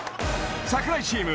櫻井チーム